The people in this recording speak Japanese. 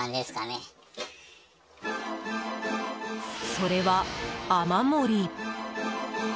それは雨漏り。